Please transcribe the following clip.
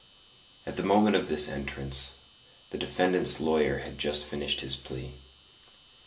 At the moment of this entrance, the defendant's lawyer had just finished his plea.